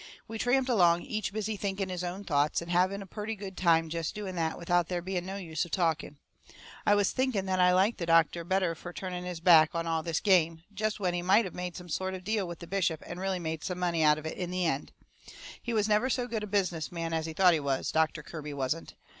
We tramped along, each busy thinking his own thoughts, and having a purty good time jest doing that without there being no use of talking. I was thinking that I liked the doctor better fur turning his back on all this game, jest when he might of made some sort of a deal with the bishop and really made some money out of it in the end. He never was so good a business man as he thought he was, Doctor Kirby wasn't.